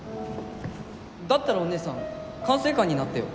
だったらお姉さん管制官になってよ。